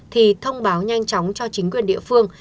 thì thông báo nhanh chóng cho chính quyền địa phương